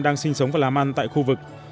đang sinh sống và làm ăn tại khu vực